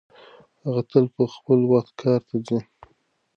هغه تل په خپل وخت کار ته راځي.